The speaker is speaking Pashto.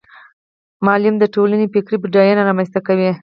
استاد د ټولنې فکري بډاینه رامنځته کوي.